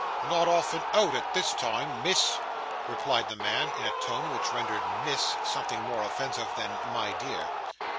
'Not often out at this time, miss,' replied the man in a tone which rendered "Miss," something more offensive than "My dear."